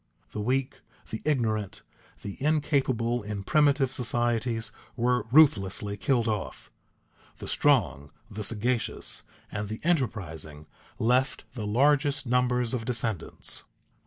The weak, the ignorant, the incapable in primitive societies were ruthlessly killed off. The strong, the sagacious, and the enterprising left the largest numbers of descendants.